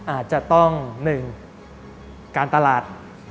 อาจจะต้อง๑การตลาด